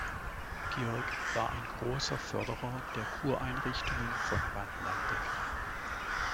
Georg war ein großer Förderer der Kureinrichtungen von Bad Landeck.